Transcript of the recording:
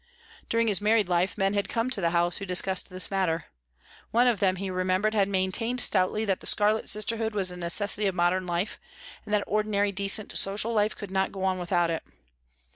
During his married life men had come to the house who discussed this matter. One of them, he remembered, had maintained stoutly that the scarlet sisterhood was a necessity of modern life and that ordinary decent social life could not go on without it.